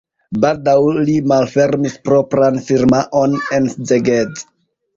Baldaŭ li malfermis propran firmaon en Szeged.